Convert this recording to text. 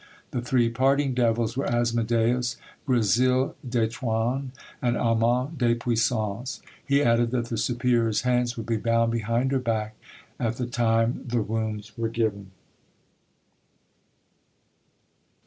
The three parting devils were Asmodeus, Gresil des Trones, and Aman des Puissances. He added that the superior's hands would be bound behind her back at the time the wounds were given.